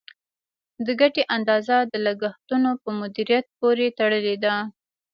د ګټې اندازه د لګښتونو په مدیریت پورې تړلې ده.